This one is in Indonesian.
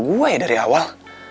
gue ya dari awal